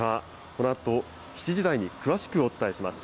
このあと７時台に詳しくお伝えします。